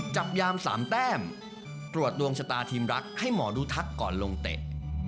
จับยาม๓แต้มตรวจดวงชะตาทีมรักให้หมอดูทักก่อนลงเตะ